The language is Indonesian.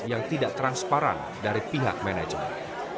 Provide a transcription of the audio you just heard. yang tidak transparan dari pihak manajemen